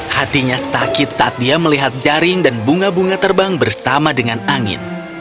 hatinya sakit saat dia melihat jaring dan bunga bunga terbang bersama dengan angin